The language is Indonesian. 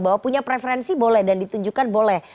bahwa punya preferensi boleh dan ditunjukkan boleh